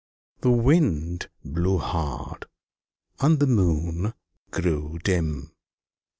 The Wind blew hard, and the Moon grew dim.